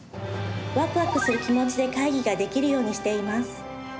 ワクワクする気持ちで会議ができるようにしています。